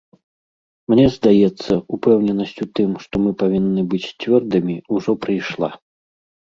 Мне здаецца, упэўненасць у тым, што мы павінны быць цвёрдымі, ужо прыйшла.